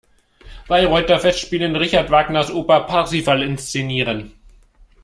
Bayreuther Festspielen Richard Wagners Oper Parsifal inszenieren.